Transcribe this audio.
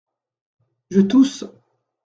Je tousse.